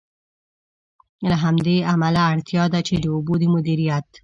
له همدې امله، اړتیا ده چې د اوبو د مدیریت.